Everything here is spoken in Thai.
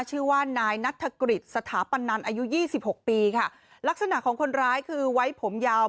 ชื่อว่านายนัฐกฤษสถาปันนันอายุยี่สิบหกปีค่ะลักษณะของคนร้ายคือไว้ผมยาว